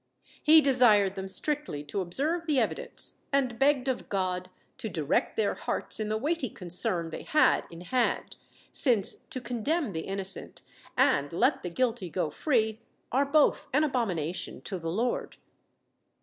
He desired them strictly to observe the evidence, and begged of God to direct their hearts in the weighty concern they had in hand, since, to condemn the innocent and let the guilty go free are both an abomination to the Lord.